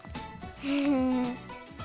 フフフ。